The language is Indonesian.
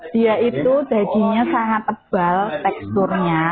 dia itu dagingnya sangat tebal teksturnya